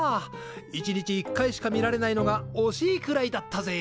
一日１回しか見られないのがおしいくらいだったぜ。